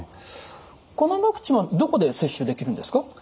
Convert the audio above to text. このワクチンはどこで接種できるんですか？